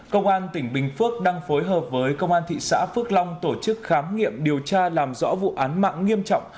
công an tỉnh bình phước đang phối hợp với công an thị xã phước long tổ chức khám nghiệm điều tra làm rõ vụ án mạng nghiêm trọng